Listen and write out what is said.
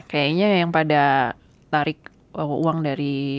kayaknya yang pada tarik uang dari